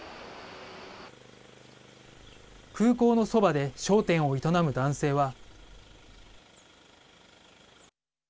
空港のそばで商店を営む男性は。